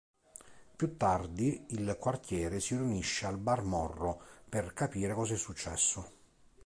Più tardi il quartiere si riunisce al bar Morro per capire cosa è successo.